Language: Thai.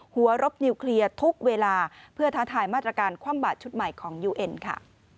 รบนิวเคลียร์ทุกเวลาเพื่อท้าทายมาตรการคว่ำบาดชุดใหม่ของยูเอ็นค่ะ